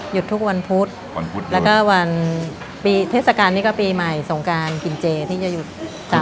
หยุดทุกวันพุธและก็เทศกาลนี้ก็ปีใหม่สงการกินเจที่จะหยุด๓เทศกาล